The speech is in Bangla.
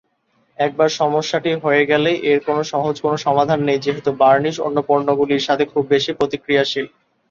একবার সমস্যাটি হয়ে গেলে, এর কোন সহজ কোনো সমাধান নেই যেহেতু বার্ণিশ অন্য পণ্যগুলির সাথে খুব বেশি প্রতিক্রিয়াশীল।